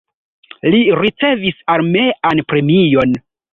Li ricevis armean premion.